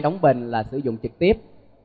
đóng bình là sử dụng trực tiếp